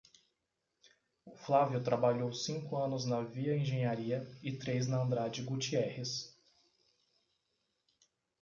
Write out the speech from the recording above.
O Flávio trabalhou cinco anos na Via Engenharia e três na Andrade Gutierrez.